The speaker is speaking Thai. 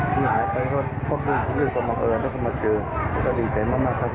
ขออธิบายครับขอโทษที่ประมาณเอิญต้องมาเจอก็ดีใจมากครับ